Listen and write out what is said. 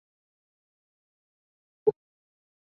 但大多是基于一日八次诵念的方式来进行。